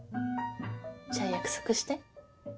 じゃあ約束して。